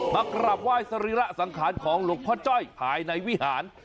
มากราบไหว้สรีระสังขารของหลวงพ่อจ้อยภายในวิหาร